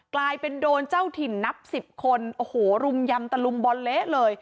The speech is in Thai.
กลายเป็นโดนเจ้าถิ่นนับสิบคนโอ้โหรุมยำตะลุมบอลเละเลย